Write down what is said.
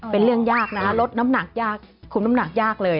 เป็นเรื่องยากนะคะลดน้ำหนักยากคุมน้ำหนักยากเลย